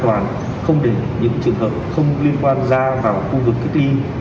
đảm bảo an ninh an toàn không để những trường hợp không liên quan ra vào khu vực kích ly